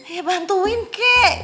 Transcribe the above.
ya bantuin kek